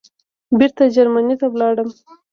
بېرته جرمني ته ولاړم.